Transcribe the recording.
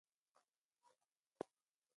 ایا تاسې د خپل هېواد جغرافیه پېژنئ؟